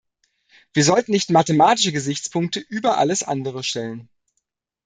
Wir sollten nicht mathematische Gesichtspunkte über alles andere stellen.